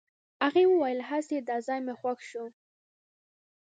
هغې وويل هسې دا ځای مې خوښ شو.